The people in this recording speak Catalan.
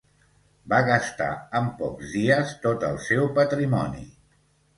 Va gastar en pocs dies tot el seu patrimoni.